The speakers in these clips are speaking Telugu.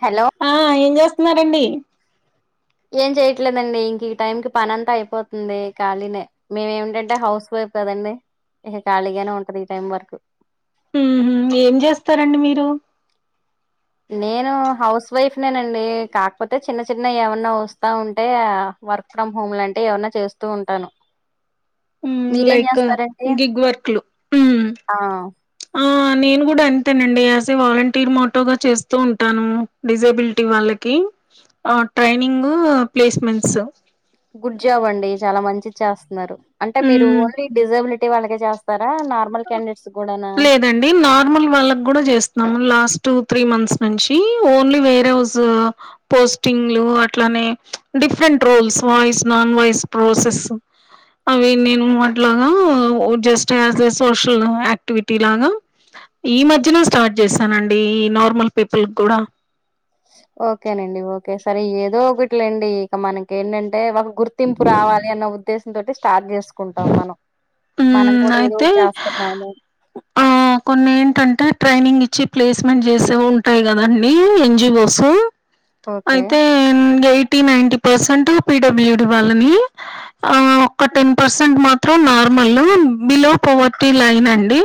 హలో ఆ ఏం చేస్తున్నారండి ఏం చేయట్లేదండి ఇంక ఈ టైం కి పనంతా అయిపోతుంది ఖాళీనే మేము ఏమిటంటే హౌస్ వైఫ్ కదండి ఇక ఖాళీగానే ఉంటది ఈ టైం వరకు హమ్ హు ఏం చేస్తారండి మీరు నేను హౌస్ వైఫ్నేనండి కాకపోతే చిన్న చిన్న ఏమన్నా వస్తాఉంటే వర్క్ ఫ్రమ్ హోమ్ లాంటియి ఏవన్నా చేస్తూ ఉంటాను హమ్ మీరేం లైక్ చేస్తారండి గిగ్ వర్క్ లు ఆ ఆ నేను కూడా అంతేనండి యాస్ ఏ వాలంటీర్ మాోటోగా చేస్తూ ఉంటాను డిజేబులిటీ వాళ్ళకి ఆ ట్రైనింగ్ ప్లేస్మెంట్స్ గుడ్ జాబ్ అండి చాలా మంచిది చేస్తున్నారు అంటే మీరు ఉమ్ ఓన్లీ డిజబిలిటీ వాళ్ళకే చేస్తు స్తారా నార్మల్ క్యాండిడేట్స్ కూడానా ండి నార్మల్ వాళ్ళకు కూడా చేస్తున్నాము లాస్ట్ త్రీ మంత్స్ నుంచి ఓన్లీ వేర ఎస్ పోస్టింగ్లు అట్లానే different roles voice non voice process అవి నేను అట్లాగా just as a social activity లాగా ఈ మధ్యనే స్టార్ట్ చేశానండి ఈ నార్మల్ పీపుల్ కూడా ఓకేనండి ఓకే సరే ఏదో ఒకటిలేండి ఇక మనకి ఏంటంటే ఒక గుర్తింపు రావాలి అన్న ఉద్దేశం తోటి స్టార్ట్ చేసుకుంటాం మనం మనం హ్మ్ కూడా అయితే ఏదోఒకటి చేస్తన్నాం గా ఆ కొన్ని ఏంటంటే ట్రైనింగ్ ఇచ్చి ప్లేస్మెంట్ చేసేవి ఉంటాయి కదండి ఎన్జీవోస్ ఓకే. అయితే ఎయిటీ నైటీ పర్సెంట్ పిడబ్ల్యూడి వాళ్ళని ఆ ఒక టెన్ పర్సెంట్ మాత్రం నార్మల్ బిలో పోవర్టీ లైన్ అండి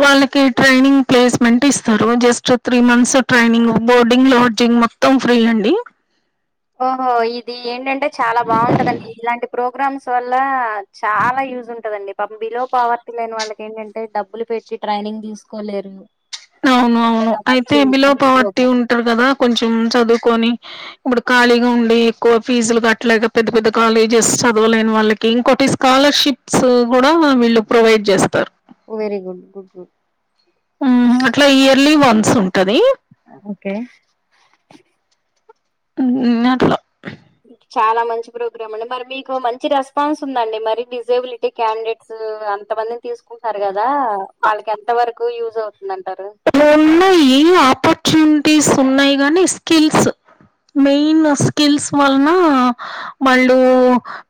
వాళ్ళకి ట్రైనింగ్ ప్లేస్మెంట్ ఇస్తారు just three months training boarding lodging త్తం ఫ్రీ అండి ఓహో ఇది ఏంటంటే చాలా బాగుంటదండి ఇలాంటి ప్రోగ్రామ్స్ వల్ల చాలా యూజ్ ఉంటాదండి పాపం బిలో పావర్టీ లైన్ వాళ్ళక ఏంటంటే టే డబ్బులు పెట్టి ట్రైనింగ్ తీసుకోలేరు అవును అవును చక్కగా అయితే మంచి బిలో మంచి పవర్టీ ప్రోగ్రామ్. ఉంటారు కదా కొంచెం చదువుకొని ఇప్పుడు ఖాళీగా ఉండి ఎక్కువ ఫీజులు కట్టలేక పెద్ద పెద్ద కాలేజెస్ చదవలేని వాళ్ళకి ఇంకోటి స్కాలర్షిప్స్ కూడా వీళ్ళు ప్రొవైడ్ చేస్తారు వెరీ గుడ్ గుడ్ గుడ్ ఉం అట్లా ఇయర్లీ వన్స్ ఉంటది ఓకే ఉం అట్లా చాలా మంచి ప్రోగ్రామ్ అండి మరి మీకు మంచి రెస్పాన్స్ ఉందండి మరి డిజెబిలిటీ టే క్యాండిడేట్స్ అంత మందిని తీసుకుంట సారు కదా వాళ్ళకి ఎంత వరకు యూజ్ అవుతుంది అంటారు ఉన్న ఏ ఆపర్చునిటీస్ ఉన్నాయి గానీ స్కిల్స్ మెయిన్ స్కిల్స్ వలన వాళ్ళు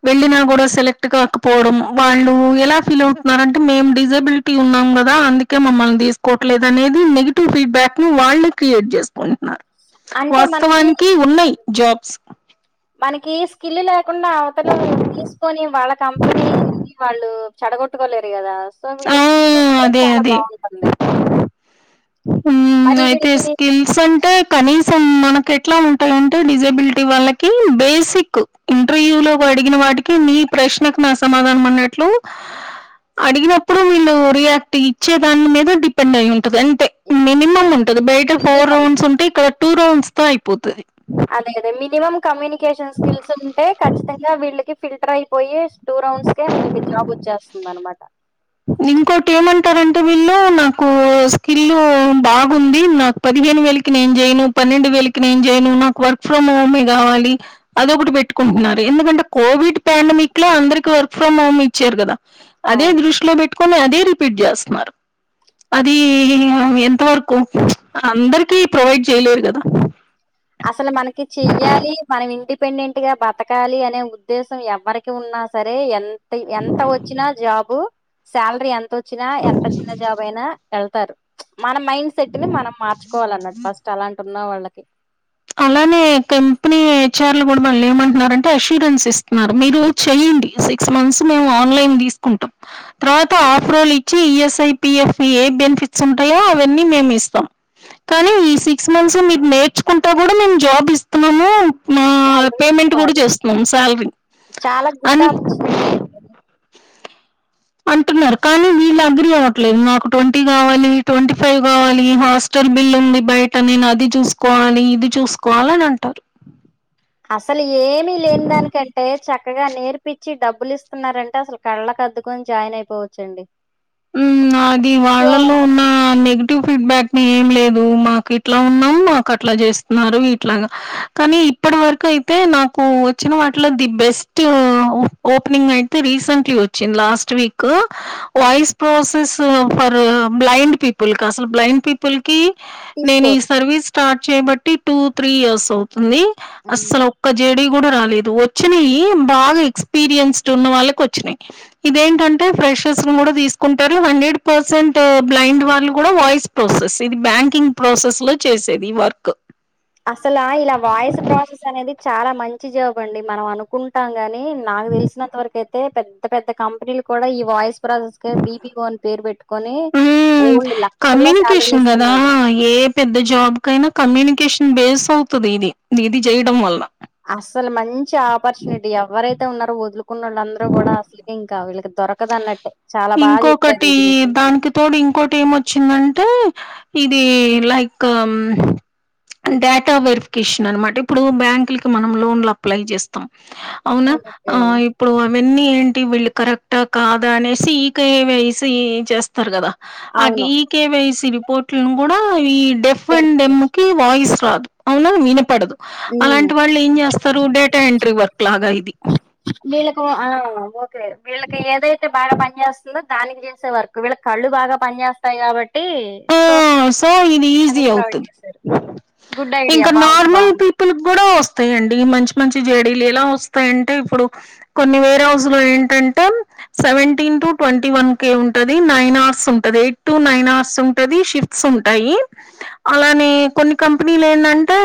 వెళ్ళిన కూడా సెలెక్ట్ కాకపోవడం వాళ్ళు ఎలా ఫీల్ అవుతున్నార అంటే మేం డిజబిల్ ఉన్నాం కదా అందుకే మమ్మల్ని తీసుకోవట్లేదు అనేది నెగిటివ్ ఫీడ్బ్యాక్ ను వాళ్ళే క్రియేట్ చేసుకుంటున్నారు అంటే మనకి వాస్తవానికి ఉన్నాయి జాబ్స్ మనకి స్కిల్ లేకుండా అవతలు తీసుకొని వాళ్ళ కంపెనీ వాళ్ళు చెడగొట్టుకోలేరు కదా సో వీళ్ళు ఆ [unintelligible] స్కి చూస్తే అదే చాలా అదే బాగుంటుంది మరి వీళ్ళ స్ అంటే కనీసం మనకు ఎట్లా ఉంటాయింటే డిజబిలిటీ వాళ్ళకి బేసిక్ ఇంటర్వ్యూ లో అడిగిన వాటికి మీ ప్రశ్నకు నా సమాధానం అన్నట్లు అడిగిన ఇప్పుడు వీళ్లు రియాక్ట్ ఇచ్చే దాని మీద డిపెండ్ అయి ఉంటుది అంతే మినిమం అంటే టది బయట ఫోర్ మినిమం రౌండ్స్ ఉంటే ఇక్కడ టూ రౌండ్స్ తో అయిపోతది అదే మినిమం కమ్యూనికేషన్ స్కిల్స్ ఉంటే ఖచ్చితంగా వీళ్ళకి ఫిల్టర్ అయిపోయి టూ రౌండ్స్ కే మికి జాబ్ వచ్చేస్తుంది అనమాట ఇంకోటి ఏమంటారంటే వీళ్ళు నాకు స్కిల్ బాగుంది నాకు పదిహేను వేలకి నేం చేయను పన్నెండు వేలకి నేం చేయను నాకు వర్క్ ఫ్రమ్ హోమే కావాలి అదొకటి పెట్టుకుంటున్నారు ఎందుకంటే కోవిడ్ ప్యాండమిక్ లో అందరికి వర్క్ ఫ్రమ్ హోమ్ ఇచ్చారు కదా అదే అవును దృష్టిలో పెట్టుకొని అదే రిపీట్ చేస్తున్నారు అది ఎంత వరకు అందరికిీ ప్రొవైడ్ చేయలేరు కదా అసలు మనకి చెయ్యాలి మనం ఇంటి డిపెండెంట్ గా బతకాలి అనే ఉద్దేశం ఎవరికి ఉన్నా సరే ఎ ఎంత వచ్చినా జాబు శాలరీ ఎంత వచ్చినా ఎంత చిన్న జాబ్ అయినా వెళ్తారు చ్ మన మైండ్ సెట్ ని మనం మార్చుకోవాలన్నట్టు ఫస్ట్ అలాంటి ఉన్న వాళ్ళకి అలానే కంపెనీ హెచ్ ఆర్లు కూడా మళ్ళీ ఏమంటున్నారుంటే అసూరెన్స్ ఇస్తున్నారు మీరు చెయ్యండి సిక్స్ మంత్స్ మేము ఆన్లైన్ తీసుకుంటాం తర్వాత ఆఫ్ రోలు ఇచ్చి ఈఎస్ఐపిఎఫ్ ఏ బెనిఫిట్స్ ఉంటాయో అవన్నీ మేము ఇస్తాం కానీ ఈ సిక్స్ మంత్స్ మీరు నేర్చుకుంటా కూడా మేము జాబ్ ఇస్తున్నాము మా శాలరీ పేమెంట్ కూడా ప్రొవైడ్ చేస్తారు చేస్తున్నాం శాలరీ చాలా గుడ్ అని ఆపర్చునిటీ అండి అంటున్నారు కానీ వీళ్ళు అగ్రీ అవ్వట్లేదు నాకు ట్వంటీ కావాలి ట్వంటీ ఫైవ్ కావాలి హాస్ [unintelligible] బిల్ ఉంది బయట నేను అది చూసుకోవాలి ఇది చూసుకోవాల అని అంటారు అసలు ఏమి లేని దానికంటే చక్కగా నేర్పిచ్చి డబ్బులు ఇస్తున్నారంటే అసలు కళ్ళ అద్దుకొని జాయిన్ అయిపోవచ్చండి అది సో వాళ్ళలో ఉన్న నెగటివ్ ఫీడ్ బ్యాక్ ఏం లేదు మాకు ఇట్లా ఉన్నాం మాకు అట్లా చేస్తున్నారు ఇట్లాగా కానీ ఇప్పటి వరకు అయితే నాకు వచ్చిన వాటిలో ది బెస్టు ఓపెనింగ్ అయితే రీసెంట్లీ వచ్చింది last week voice process for blind people కి అసలు బ్లైండ్ పీపుల్ పిప్పుల్ కి నేను ఈ తీసుకోరు సర్వీస్ స్టార్ట్ చేయబట్టి టూ త్రీ ఇయర్స్ అవుతుంది ఉమ్. అసలు ఒక్కది జేడీ కూడా రాలేదు వచ్చినాయి బాగా ఎక్స్పీరియన్స్డ్ ఉన్న వాళ్ళకి వచ్చినాయి ఇదేంటంటే ఫ్రెషర్స్ ను కూడా తీసు కుంటారు హండ్రెడ్ పర్సెంట్ బ్లైండ్ వాళ్ళు కూడా వాయిస్ ప్రాసెస్ ఇది బ్యాంకింగ్ ప్రాసెస్ లో చేసేది ఈ వర్క్ అసలా ఇలా వాయిస్ ప్రాసెస్ అనేది చాలా మంచి జాబ్ అండి మనం అనుకుంటాం గాని నాకు తెలిసినంత వరకు అయితే పెద్ద పెద్ద పెద్ద కంపెనీలు కూడా ఈ వాయిస్ ప్రసెస్ క బిపిఓన్ పేరు పెట్టుకొని ఓల్డ్ లక్షలో శాలరీలు కమ్యూనికేషన్ కదా ఇస్తున్నారు ఏ పెద్ద జాబ్ కైనా కమ్యూనికేషన్ బేస్ అవుతుది ఇది ఇది చేయడం వల్ల అస్సలు మంచి ఆపర్చునిటీ ఎవరైతే ఉన్నారో వదులుకున్న వాళ్ళ అందరు కూడా అసలు ఇం ఇకా వీళ్ళకి దొరకదన్నట్టే చాలా బాగా చెప్పారు ఇంకొకటి దీని గురించి దానికి తోడు ఇంకోటి ఏమొచ్చిందంటే ఇది లైక్ డేటా వెరిఫికేషన్ అన్నమాట ఇప్పుడు బ్యాంకుల కి మనం లోన్లు అప్లై చేస్తాం అవునా ఓకే ఆ ఇప్పుడు అవన్నీ ఏంటి వీళ్ళు కరెక్టా కాదా అనేసి సి కే వై సి చేస్తారు కదా అవి అవును ఈ కేవైసీ రిపోర్ట్లను కూడా ఈ డెఫ్ అండ్ డెమ్ వెరిఫికేషన్ కి వాయిస్ రాదు అవున వినపడదు అలాంటి వాళ్ళే ఏం చేస్తారు డేటా ఎంట్రీ వర్క్ లాగా ఇది వీళ్ళకి ఆ ఓకే వీళ్ళకి ఏదైతే బాగా పని చేస్త దానికి చేసే వర్కు వీళ్ళకి కళ్ళు బాగా పని చేస్తాయి కాబట్టి ఓ సో సో ఇది ఈజీ అనేది ప్రొవైడ్ అవుతుది చేశారు గుడ్ ఐడియా ఇంకా బాగుంది నార్మల్ బాగుంది పీపుల్ పిప్పులు కూడా వస్తాయండి మంచి మంచి జేడీలు ఎలా వస్తాయంటే ఇప్పుడు కొన్ని వేర్ హౌస్ లో ఏంటంటే seventeen to twenty one K ఉంటాది నైన్ అవర్స్ ఉంటాది ఎయిట్ టు నైన్ అవర్స్ ఉంట ప్రతి షిఫ్ట్స్ ఉంటాయి అలానే కొన్ని కంపెనీలు ఏంటంటే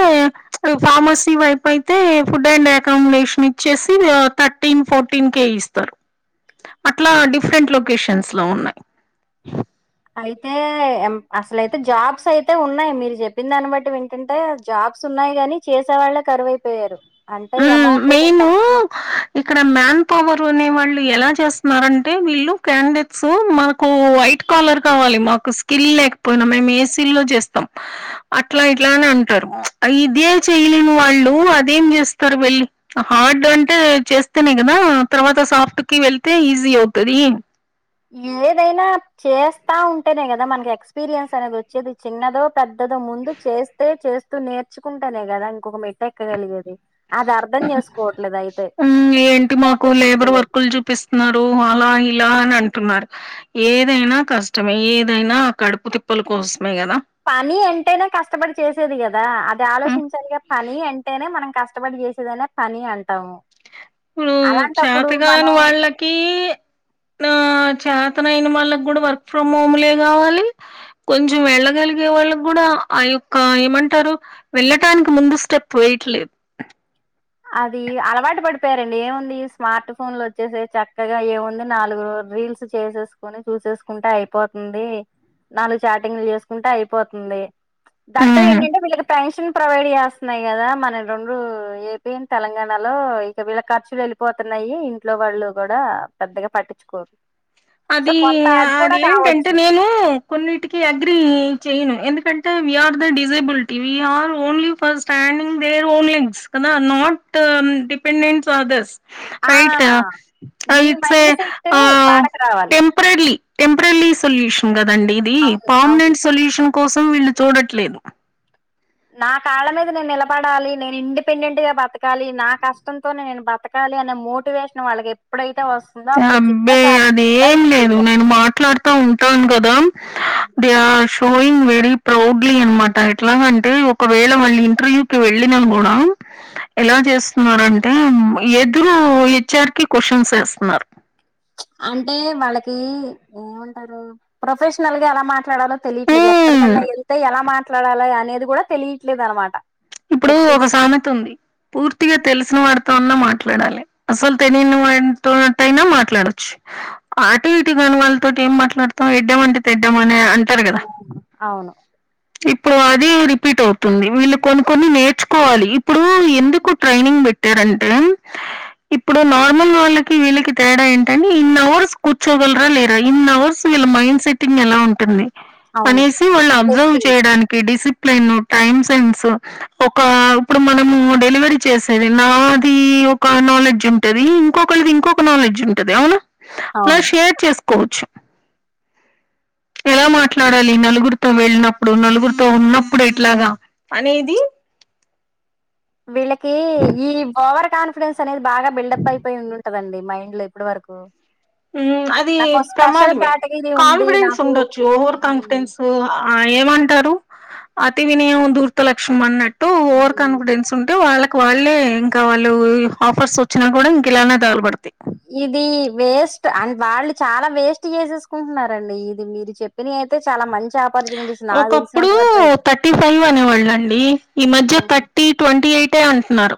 ఫార్మసీ వైపు అయితే అయితే ఫుడ్ అండ్ అకామిడేషన్ ఇచ్చేసి థర్టీన్ ఫోర్టీన్ కే ఇస్తారు అట్లా డిఫరెంట్ లొకేషన్స్ లో ఉన్నాయి అయితే అసలయితే జాబ్స్ అయితే ఉన్నాయి మీరు చెప్పిన దాన్ని బట్టి వింటుంటే జాబ్స్ ఉన్నాయి కగాని చేసే వాళ్ళే కరువైపోయారు అంటే హ్మ్. అమౌంట్ కొంచెం మెయిను తక్కువ ఇక్కడ మ్యాన్ పవర్ అనే వాళ్ళు ఎలా చేస్తున్నారంటే వీళ్ళు క్యాండేట్స్ మాకు వైట్ కాలర్ కావాలి మాకు స్కిల్ లేకపోయినా మేము ఏసీ లో చేస్తాం అట్లా ఇట్లా అని అంటారు ఇదే చెయలేని వాళ్ళు అదేం చేస్తారు వెళ్ళి ఆ హార్డ్ అంటే చేస్తేనే కదా తర్వాత సాఫ్ట్ కి వెళ్తే ఈజీ అవుతది ఏదైనా చేస్తా ఉంటేనే కదా మనకి ఎక్స్పీరియన్స్ అనేది వచ్చేది చిన్నదో పెద్దద ముందు చేస్తే చేస్తూ నేర్చుకుంటానే కదా ఇంకొక మెట్ట ఎక్కగలిగేది అది అర్థం చేసుకోవట్లేదు అయితే ఏంటి మాకు మోటివేషన్ లేబర్ వర్కులు చూపిస్ న్నారు అలా ఇలా అని అంటున్నారు ఏదైనా కష్టమే ఏదైనా కడుపు తిప్పల కోసమే కదా పని అంటేనే కష్టపడి చేసేది కదా అది హ్మ్. ఆలోచించాలిగా పని అంటేనే మనం కష్టపడి చేసేదనే పని అంటాము మ్ అలాంటప్పుడు చతకాని మనం వాళ్ళకి నా చేతనయిన వాళ్ళకి కూడా వర్క్ ఫ్రమ్ హోమ్లే కావాలి కొంచెం వెళ్ళగలిగే వాళ్ళకి కూడా ఆ యొక్క ఏమంటారు వెళ్ళటానికి ముందు స్టెప్ వేయట్లేదు అది అలవాటు పడిపోయారండి ఏముంది స్మార్ట్ ఫోన్లు వచ్చేసి చక్కగా ఏముంది నాలుగు రీల్స్ చేసేసుకొని చూసేసుకుంటే అయిపోతుంది నాలుగు చాటింగ్లు చేసుకుంటే అయిపోతుంది దట్టు ఉమ్ ఏంటంటే వీళ్ళకి పెన్షన్ ప్రొవైడ్ చేస్తున్నాయి కదా మన రెండు ఏ పి న్ తెలంగాణలో ఇక వీళ్ళ ఖర్చులు వెళ్ళిపోతున్నాయి ఇంట్లో వాళ్ళు కూడా పెద్దగా పట్టించుకోరు సో అదీ కొంత అది కూడా అదేంటంటే కావచ్చు నేమొ కొన్నిటికి అగ్రిీ చేయ్యను ఎందుకంటే we are the disability we are only for standing their own legs కదా not dependent others ah right ఈ ఇట్స్ మైండ్ సెట్ ఆ వాళ్ళకి రావాలి టెంపరీ టెంపరరీ సొల్యూషన్ కదండి ఇది అవును అవును పర్మనెంట్ సొల్యూషన్ కోసం వీళ్ళు చూడట్లేదు నా కాళ్ళ మీద నేను నిలబడాలి నేను ఇండిపెండెంట్ గా బతకాలి నా కష్టంతోనే నేను బతక్ ాలి అనే మోటివేషన్ వాళ్ళకి ఏప్పుడైతే వస్తుందో అప్పుడు చిన్న అబ్బే సాధన అది కూడా ఏం వీళ్ళు లేదు చేయగలుగుతారు నేను మాట్లాడుతా ఉంటాను కదా అ ట్రోయింగ్ వేరి ప్రౌడ్లీ అనమాట ఎట్లాగంటే ఒకవేళ మళ్ళీ ఇంటర్వ్యూకి వెళ్ళినా కూడా ఎలా చేస్తున్నారంటే ఎదురు హెచ్ఆర్ కి క్వశ్చన్స్ వేస్తున్నారు అంటే వాళ్ళకి ఏమంటారు ప్రొఫెషనల్ గా ఎలా మాట్ ట్లాడాలో తెలియట్లేదు హ్మ్. ఎక్కడికన్నా ఎళ్ంత ఎలా మాట్లాడాలి అనేది కూడా తెలియట్లేదనమాట ఇప్పుడు ఒక సామెత ఉంది పూర్తిగా తెలిసిన వారితో ఉన్నా మాట్లాడాలి అసలు తెలియని వాతోన్నట్టయినా మాట్లాడొచ్చు ఆటు ఇటు కాని వాళ్ళతోటి ఏం మాట్లాడతాం ఎడ్డమంటే తెడ్డమనే అన్ అనుకున్న అవును ఇప్పుడు అది రిపీట్ అవుతుంది వీళ్ళు కొన్ని కొన్ని నేర్చుకోవాలి ఇప్పుడు ఎందుకు ట్రైనింగ్ పెట్టారంటే ఇప్పుడు నార్మల్ వాళ్ళకి వీళ్ళకి తేడా ఏంటంటే ఇన్ అవర్స్ కూర్చోగలరా లేరా ఇన్ అవర్స్ వీళ్ళ మైండ్ సెట్టింగ్ ఎలా ఉంటుంది అవును అనేసి వాళ్ళు అబ్జర్వ్ టెస్టింగ్ చేయడానికి డిసిప్లిన్ టైమ్ సెన్స్ ఒక ఇప్పుడు మనము డెలివరీ చేసేది నాది ఒక నాలెడ్జ్ ఉంటది ఇంకొకళది ఇంకొక నాలెడ్జ్ ఉంటది అవునా అలా అవును షేర్ చేసుకోవచ్చు ఎలా మాట్లాడాలి నలుగురితో వెళ్ళినప్పుడు నలుగురితో ఉన్నప్పుడు ఎట్లాగా అనేది వీళ్ళకి ఈ ఓవర్ కాన్ డెన్స్ అనేది బాగా బిల్డప్ అయిపోయి ఉండుంటదండి మైండ్ లో ఇప్పుడి వరకు మ్ అది నాకు స్పెషల్ ప్రమాదమే కేటగిరీ ఉంది కాన్ఫిడెన్స్ నాకు ఉండొచ్చు ఓవర్ మ్మ్ కాన్ఫిడెన్స్ ఉ ఆ ఏమంటారు అతి వినియం దూర్త లక్షష్మం అన్నట్టు ఓవర్ మ్మ్ కాన్ఫిడెన్స్. కుంటూ వాళ్ళకి వాళ్ళే ఇంకా వాళ్ళు ఆఫర్స్ వచ్చినా కూడా ఇంక ఇలానే దగలపడతాయ్. ఇది వేస్ట్ అ వాళ్ళు చాలా వేస్ట్ చేసేసుకుంటున్నారండి ఇది మీరు చెప్. ప్పిని అయితే చాలా మంచి ఆఫ్. ఒకప్పుడు థర్టీ ఫైవ్ అనేవాళ్ళ అండి ఈ మధ్య ఉమ్. థర్. టి ట్వంటీ ఎయిట్ ఎయిటే అంటున్నారు.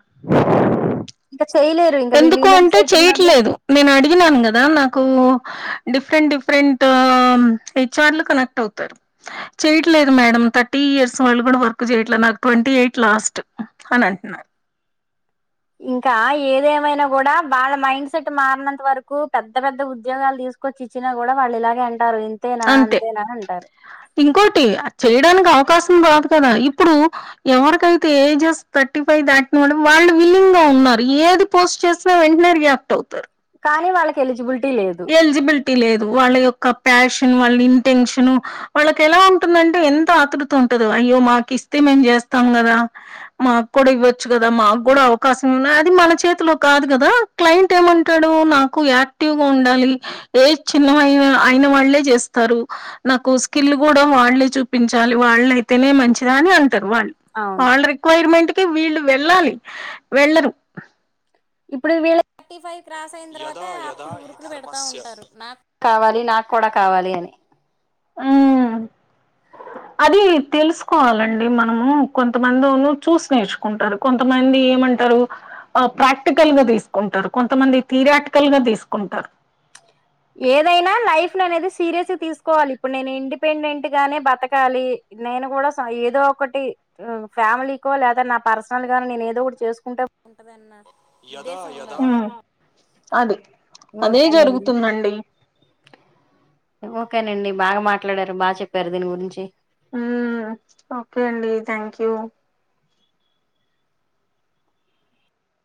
ఇంకా చేయలేరు ఇంకా వీళ్ళు ఎందుకు ఈ మైండ్ అంటే సెట్ ఉన్నోళ్ళు చెయట్లేదు నేను అడిగినాను కదా నాకు. డిఫరెంట్ డిఫరెంట్ హెచ్ఆర్లు కనెక్ట్ అవుతారు. చేయట్లేదు మేడం థర్టీ ఇయర్స్ వాళ్ళు కూడా వర్క్ చేయట్లేదు నాకు ట్వంటీ ఎయిట్ లాస్ట్. అని అంటున్నారు. ఇంకా ఏదేమైనా కూడా వాళ్ళ మైండ్ సెట్ మారినంత వరకు పెద్ద పెద్ద ఉద్యోగాలు తీస్. కొ ఇచ్చినా కూడా వాళ్ళు ఇలాగే అంటారు ఇంతేనా అంతే. అంతేనా అంటారు. ఇంకోటి చేయడానికి అవకాశం రాదు కదా ఇప్పుడు. ఎవరికైతే ఏజెస్ థర్టీ ఫైవ్ దాటిని వాళ్ళు విల్లింగ్ గా ఉన్నారు ఏది. పోస్ట్ చేసిన వెంటనే రియాక్ట్ అవుతారు. కానీ వాళ్ళకి ఎలిజిబిలిటీ లేదు. ఎలిజిబిలిటీ లేదు వాళ్ళ యొక్క ప్యాషన్ వాళ్ళ ఇంటెన్షన్. వాళ్ళకి ఎలా ఉంటుందంటే ఎంత ఆతృత ఉంటుదో అయ్యో మాకి ఇస్తే మేం చేస్తాం కదా. మాకు కూడా ఇవ్వచ్చు కదా మాకు కూడా అవకాశం ఉన్నా అది మన చేతిలో కాదు కదా. క్లయింట్ ఏమంటాడు నాకు యాక్టివ్ గా ఉండాలి. ఏజ్ చిన్నవైన అయిన వాళ్ళే చేస్తారు. నాకు స్కిల్ కూడా వాళ్ళే చూపించాలి వాళ్ళయితేనే మంచిదా అని అంటారు వాళ్ళు. అవును వాళ్ళ రిక్వైర్మెంట్ కె వీళ్ళు వెళ్ళాలి వెళ్లరు. ఇప్పుడు వీళ్ళు థర్టీ ఫైవ్ క్రాస్ అయిన తర్వాత ఇ [unintelligible] పెడతా ఉంటారు. నాక్ కావాలి నాకు కూడా కావాలి అని. ఆ. అది తెలుసుకోవాలండి మనము కొంతమందును చూసి నేర్చుకుంటారు. కొంతమంది ఏమంటారు. ఆ ప్రాక్టికల్ గా తీసుకుంటారు కొంతమంది థిరాటికల్ గా తీసుకుంటారు. ఏదైనా లైఫ్ లో అనేది సీరియస్ గా తీసుకోవాలి ఇప్పుడు నేను ఇండిపెండెంట్ గానే బతకాలి. నేను కూడా సాయి ఏదో ఒకటి. ఫ్యామిలీకొ లేదా నా పర్సనల్ గాని నేను ఏదో కూడా చేసుకుంటే బావుంటదన్న హ్మ్. [unintelligible] ఓకేనండి. అండి. ఓకేనండి బాగా మాట్లాడారు బాగా చెప్పారు దీని గురించి. ఉ ఓకే అండి థ్యాంక్ యూ.